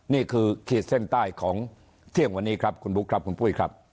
นี่คือคิดแท่งใต้ของเที่ยงวันนี้ครับคุณบุ๊คครับคุณปุ๊ยครับ